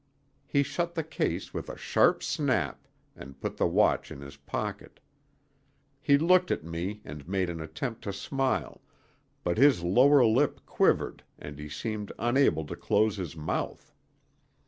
He shut the case with a sharp snap and put the watch in his pocket. He looked at me and made an attempt to smile, but his lower lip quivered and he seemed unable to close his mouth.